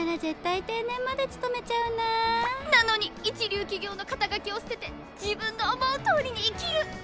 なのに一流企業の肩書を捨てて自分の思うとおりに生きる！